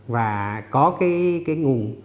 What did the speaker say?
và có cái nguồn